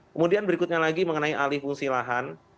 kemudian berikutnya lagi mengenai alih fungsi lahan